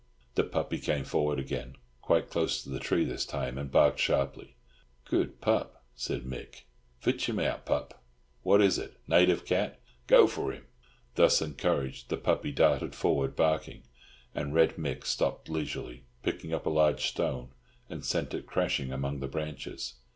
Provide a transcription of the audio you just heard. The puppy came forward again, quite close to the tree this time, and barked sharply. "Good pup," said Mick, "fitch him out, pup!—What is it—native cat? Goo for 'im!" Thus encouraged, the puppy darted forward barking, and Red Mick stopped leisurely, picked up a large stone, and sent it crashing among the branches.